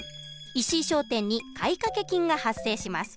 石井商店に買掛金が発生します。